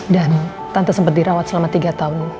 dan tante sempat dirawat selama tiga tahun